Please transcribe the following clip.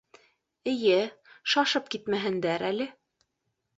— Эйе, шашып китмәһендәр әле.